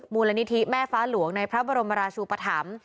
มูลนิธิแม่ฟ้าหลวงในพระบรมราชูปธรรม